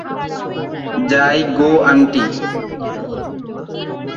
যাই গো আন্টি।